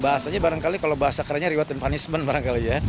bahasanya barangkali kalau bahasa kerennya reward and punishment barangkali ya